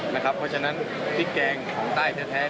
เพราะฉะนั้นพริกแกงของใต้แท้